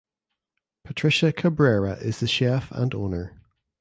Patricia Cabrera is the chef and owner.